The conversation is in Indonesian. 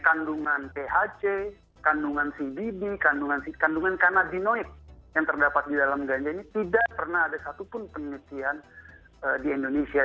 kandungan phc kandungan cdb kandungan kanadinoid yang terdapat di dalam ganja ini tidak pernah ada satupun penelitian di indonesia